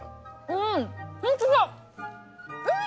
うんホントだうん！